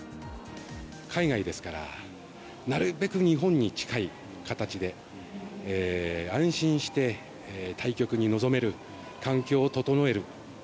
海外ですから、なるべく日本に近い形で、安心して対局に臨める環境を整える。